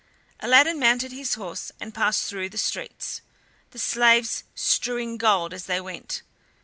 Aladdin mounted his horse and passed through the streets, the slaves strewing gold as they went.